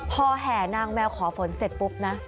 พอแห่นางแมวขอฝนเสร็จปุ๊บนะ